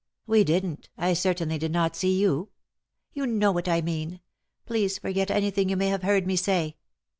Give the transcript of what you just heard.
"We didn't I certainly did not see you." "You know what I mean. Please forget any thing you may have heard me say."